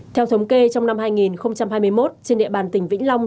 theo thống kê trong năm hai nghìn hai mươi một trên địa bàn tỉnh vĩnh long